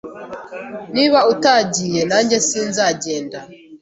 Niba utagiye, nanjye sinzagenda.